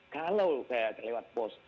kalau lewat pos